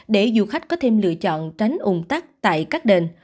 để du khách có thêm lựa chọn tránh ủng tắc tại các đền